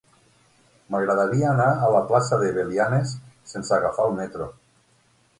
M'agradaria anar a la plaça de Belianes sense agafar el metro.